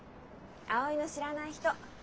葵の知らない人。